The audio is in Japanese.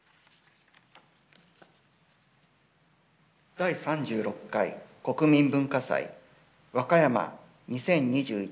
「第３６回国民文化祭・わかやま２０２１」